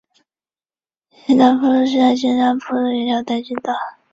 史丹福路是在新加坡的一条单行道。